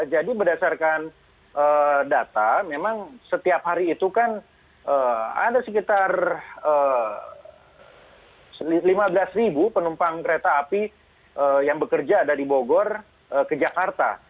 jadi berdasarkan data memang setiap hari itu kan ada sekitar lima belas penumpang kereta api yang bekerja dari bogor ke jakarta